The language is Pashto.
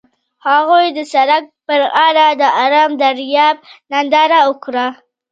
هغوی د سړک پر غاړه د آرام دریاب ننداره وکړه.